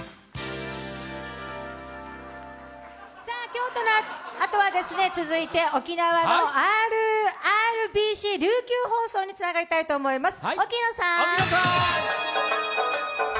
京都のあとは沖縄のＲＢＣ琉球放送につなげたいと思います。